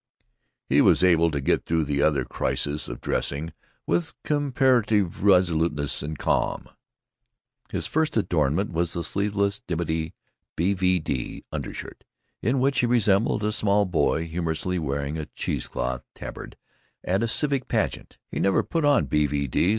He was able to get through the other crises of dressing with comparative resoluteness and calm. His first adornment was the sleeveless dimity B.V.D. undershirt, in which he resembled a small boy humorlessly wearing a cheesecloth tabard at a civic pageant. He never put on B.V.D.